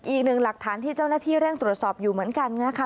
อีกหนึ่งหลักฐานที่เจ้าหน้าที่เร่งตรวจสอบอยู่เหมือนกันนะคะ